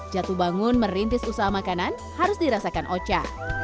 jatuh bangun merintis usaha makanan harus dirasakan ocha